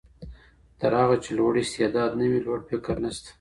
تر هغه چي لوړ استعداد نه وي لوړ فکر نسته.